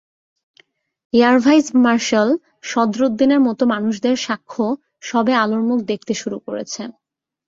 Air vice marshal সদরুদ্দীনের মতো মানুষদের সাক্ষ্য সবে আলোর মুখ দেখতে শুরু করেছে।